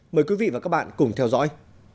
mời quý vị và các bạn cùng theo dõi